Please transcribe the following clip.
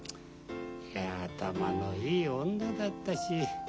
いや頭のいい女だったし